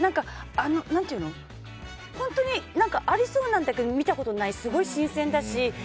何ていうの本当に何かありそうなんだけど見たことない、すごい新鮮だし。